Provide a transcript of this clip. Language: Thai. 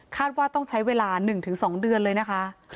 ว่าต้องใช้เวลา๑๒เดือนเลยนะคะ